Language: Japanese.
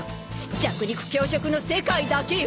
弱肉強食の世界だけよ。